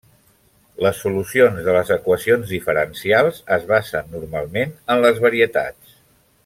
Les solucions de les equacions diferencials es basen normalment en les varietats.